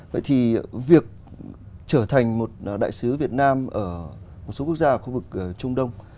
vậy thì việc trở thành một đại sứ việt nam ở một số quốc gia khu vực trung đông